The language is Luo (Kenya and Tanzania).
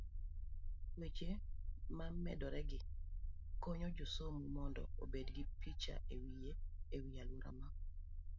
weche mamedoregi konyo jasomo mondo obed gi picha e wiye e wi aluora ma